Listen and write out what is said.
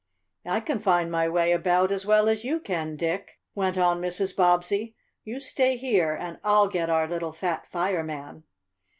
"I can find my way about as well as you can, Dick," went on Mrs. Bobbsey. "You stay here and I'll get our little fat fireman."